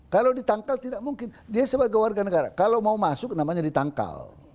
kalau ditangkal tidak mungkin dia sebagai warga negara kalau mau masuk namanya ditangkal